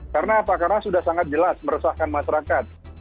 karena apa karena sudah sangat jelas merusakkan masyarakat